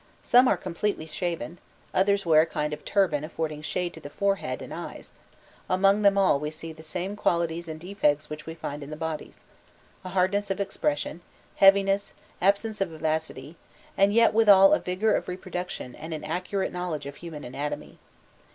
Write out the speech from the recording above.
Some are completely shaven, others wear a kind of turban affording shade to the forehead and eyes; among them all we see the same qualities and defects which we find in the bodies: a hardness of expression, heaviness, absence of vivacity, and yet withal a vigour of reproduction and an accurate knowledge of human anatomy.